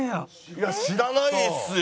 いや知らないっすよ。